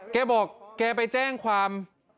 เก้บอกเก้าไปแจ้งความ